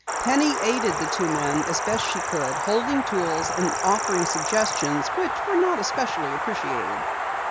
Penny aided the two men as best she could, holding tools and offering suggestions which were not especially appreciated.